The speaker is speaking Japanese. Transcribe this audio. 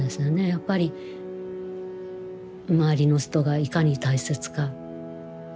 やっぱり周りの人がいかに大切か。